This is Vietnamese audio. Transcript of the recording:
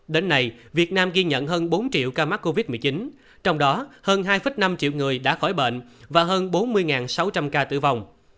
đến nay việt nam ghi nhận hơn bốn triệu ca mắc covid một mươi chín trong đó hơn hai năm triệu người đã khỏi bệnh và hơn bốn mươi sáu trăm linh ca tử vong